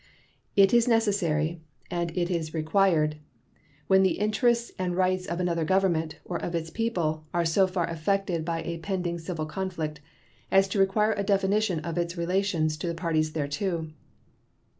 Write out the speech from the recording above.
It is necessary, and it is required, when the interests and rights of another government or of its people are so far affected by a pending civil conflict as to require a definition of its relations to the parties thereto.